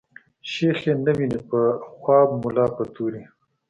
شيخ ئې نه ويني په خواب ملا په توري